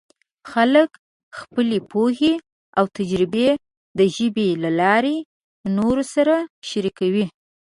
خلک خپلې پوهې او تجربې د ژبې له لارې نورو سره شریکوي.